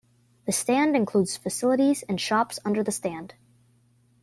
The stand includes facilities and shops under the stand.